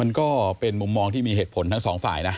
มันก็เป็นมุมมองที่มีเหตุผลทั้งสองฝ่ายนะ